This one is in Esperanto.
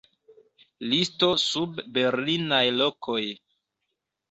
Listo sub Berlinaj lokoj.